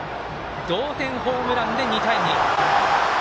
同点ホームランで２対２。